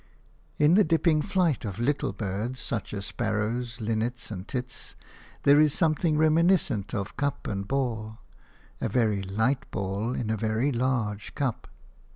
In the dipping flight of little birds, such as sparrows, linnets and tits, there is something reminiscent of cup and ball – a very light ball in a very large cup.